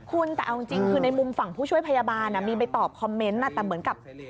คุณแต่เอาจริงคือในมุมฝั่งผู้ช่วยพยาบาลมีไปตอบคอมเมนต์แต่เหมือนกับ